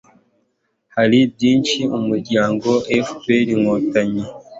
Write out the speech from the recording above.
hari byinshi umuryango fprinkotanyi